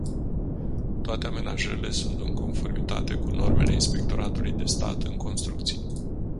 Toate amenajările sunt în conformitate cu normele inspectoratului de stat în construcții.